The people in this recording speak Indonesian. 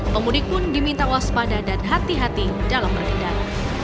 pemudik pun diminta waspada dan hati hati dalam berkendara